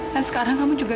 dan sekarang kamu juga